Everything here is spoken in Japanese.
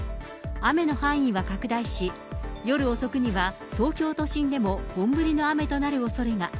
雨の範囲は拡大し、夜遅くには東京都心でも本降りの雨となるおそれが。